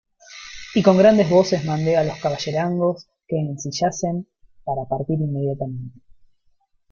y con grandes voces mandé a los caballerangos que ensillasen para partir inmediatamente.